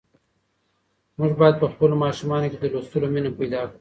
موږ باید په خپلو ماشومانو کې د لوستلو مینه پیدا کړو.